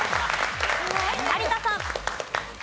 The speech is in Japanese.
有田さん。